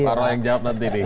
pak roh yang jawab nanti nih